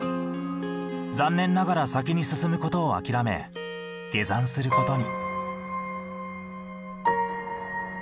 残念ながら先に進むことを諦め下山することに。